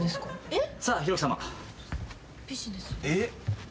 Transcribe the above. えっ？